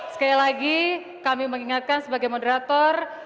sekali lagi kami mengingatkan sebagai moderator